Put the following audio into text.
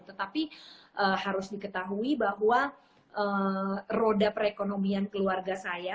tetapi harus diketahui bahwa roda perekonomian keluarga saya